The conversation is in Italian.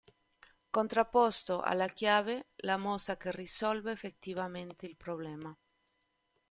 Contrapposto alla "chiave", la mossa che risolve effettivamente il problema.